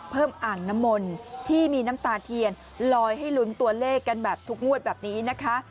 อ่างน้ำมนที่มีน้ำตาเทียนลอยให้ลุ้นตัวเลขกันแบบทุกงวดแบบนี้นะคะ